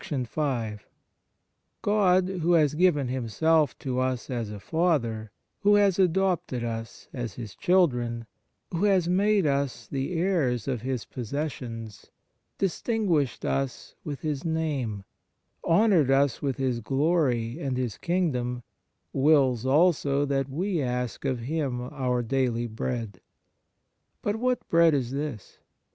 Dom., in fine. 60 ON THE SUBLIME UNION WITH GOD V OD, who has given Himself to us as a Father, who has adopted us as His children, who has made us the heirs of His possession s, distinguished us with His Name, honoured us with His glory and His kingdom, wills also that we ask of Him our daily bread. But what bread is this